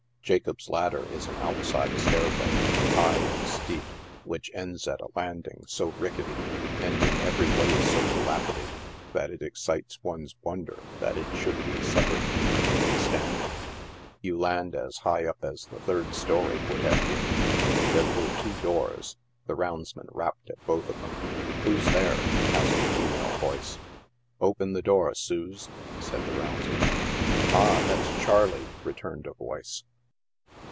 Jacob's Ladder is an outside stairway, high and steep, which ends at a landing so rickeiiy, and in every way so dilapidated, that it ex cites one's wonder that it should be suffered to remain standing. You land as high up as the third story would have been. There were two doors ; the roundsman rapped at both of them. " Who's there ?'' asked a female voice. " Open the door, Sase," said the roundsman. li Ah ! that's ' Charley,' " returned a voice.